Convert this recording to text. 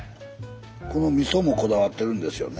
このみそもこだわってるんですよね？